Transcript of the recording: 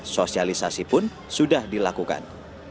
sosialisasi pun sudah dilakukan